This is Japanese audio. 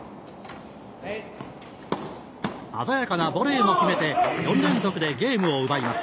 鮮やかなボレーも決めて４連続でゲームを奪います。